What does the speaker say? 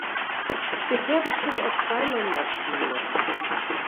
Bisher bestritt er zwei Länderspiele.